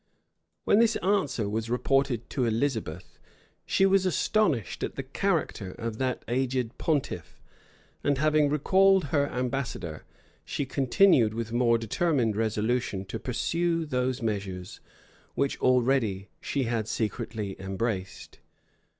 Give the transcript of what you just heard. [*] When this answer was reported to Elizabeth, she was astonished at the character of that aged pontiff; and having recalled her ambassador, she continued with more determined resolution to pursue those measures which already she had secretly embraced.